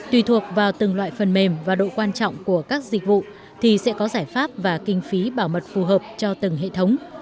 tùy thuộc vào từng loại phần mềm và độ quan trọng của các dịch vụ thì sẽ có giải pháp và kinh phí bảo mật phù hợp cho từng hệ thống